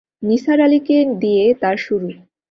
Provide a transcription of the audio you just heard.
নিসার আলিকে দিয়ে তার শুরু।